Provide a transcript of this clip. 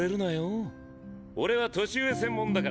俺は年上専門だから。